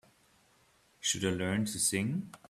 Should I learn to sing?